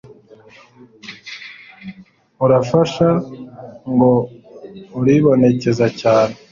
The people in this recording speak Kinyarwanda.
Urafasha ngo uribonekeza cyane